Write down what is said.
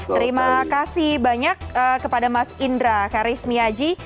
terima kasih banyak kepada mas indra karismiaji